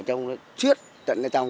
trong chứa tận trong